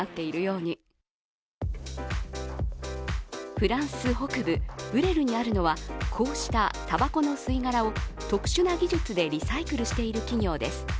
フランス北部ブレルにあるのはこうした、たばこの吸い殻を特殊な技術でリサイクルしている企業です。